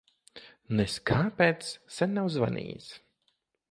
Nez kāpēc sen nav zvanījis.